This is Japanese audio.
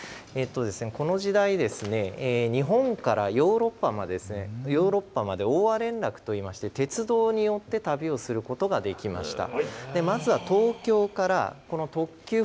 この時代、日本からヨーロッパまで欧和連絡といいまして鉄道によって旅をすることができました。